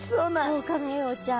オオカミウオちゃん。